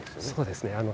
そうですね。